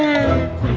sampai jumpa lagi